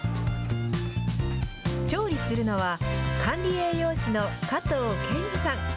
調理するのは、管理栄養士の加藤健嗣さん。